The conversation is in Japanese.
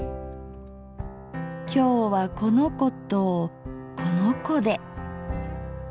今日はこの子とこの子で。